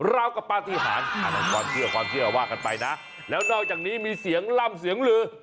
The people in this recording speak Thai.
ราวกับปฏิหารอันนั้นความเชื่อความเชื่อว่ากันไปนะแล้วนอกจากนี้มีเสียงล่ำเสียงลือ